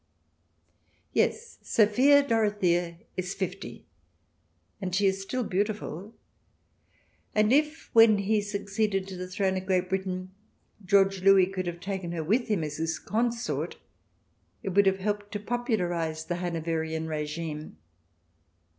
Yes, Sophia Dorothea is fifty, and she is still beautiful, and if, when he succeeded to the throne CH. XVII] QUEENS DISCROWNED 237 of Great Britain, George Louis could have taken her with him as his consort, it would have helped to popularize the Hanoverian regime.